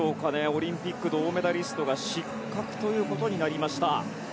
オリンピック銅メダリストが失格ということになりました。